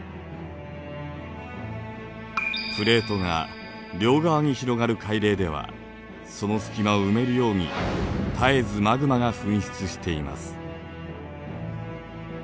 プレートが両側に広がる海嶺ではその隙間を埋めるように絶えずマグマが噴出しています。